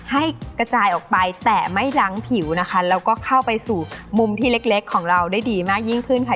ให้กระจายออกไปแต่ไม่ล้างผิวนะคะแล้วก็เข้าไปสู่มุมที่เล็กของเราได้ดีมากยิ่งขึ้นค่ะ